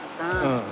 うん。